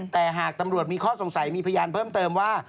แต่หากตำรวจมีข้อสงสัยมีพยานเพิ่มเติมว่า